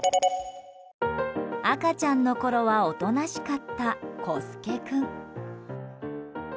赤ちゃんのころはおとなしかった、こすけ君。